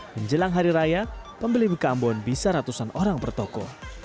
menjelang hari raya pembeli bika ambon bisa ratusan orang bertoko